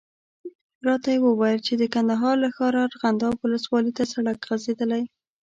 راته یې وویل چې د کندهار له ښاره ارغنداب ولسوالي ته سړک غځېدلی.